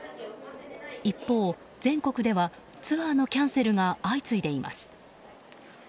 一方、全国ではツアーのキャンセルが相次いでいます。